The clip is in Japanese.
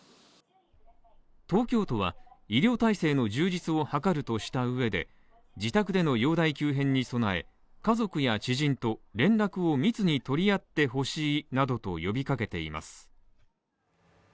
東京都は医療体制の充実を図るとしたうえで、自宅での容体急変に備え、家族や知人と連絡を密に取り合ってほしいなどと呼びかけています。